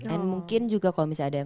and mungkin juga kalo misalnya ada yang